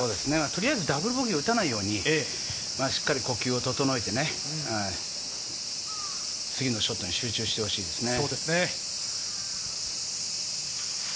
取りあえず、ダブルボギーを打たないようにしっかり呼吸を整えてね、次のショットに集中してほしいですね。